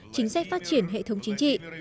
chính sách phát triển hệ thống chính trị